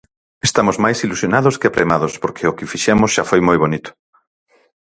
Estamos máis ilusionados que apremados porque o que fixemos xa foi moi bonito.